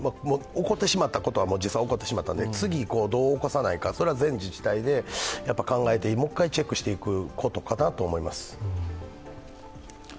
起こってしまったことは実際起こってしまったんで次にどう起こさないかそれは全自治体で考えて、もう一回チェックしていくことかなと思います。